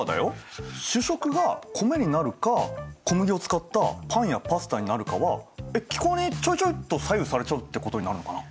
主食が米になるか小麦を使ったパンやパスタになるかは気候にちょいちょいっと左右されちゃうってことになるのかな？